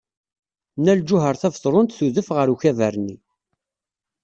Nna Lǧuheṛ Tabetṛunt tudef ɣer ukabar-nni.